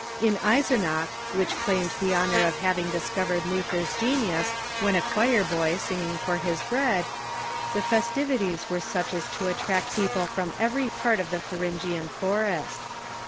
In Eisenach, Avhich claimed the honor of having discovered Luther's genius Avhen a choir boy singing for his bread, the festivities were such as to attract people from every part of the Thuringian Forest.